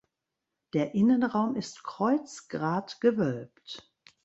Der Innenraum ist kreuzgratgewölbt.